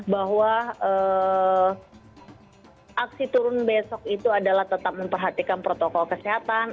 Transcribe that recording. bahwa aksi turun besok itu adalah tetap memperhatikan protokol kesehatan